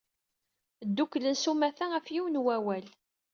Ddukklen s umata ɣef yiwen n wawal.